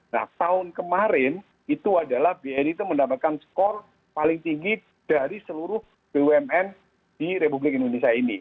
nah tahun kemarin itu adalah bri itu mendapatkan skor paling tinggi dari seluruh bumn di republik indonesia ini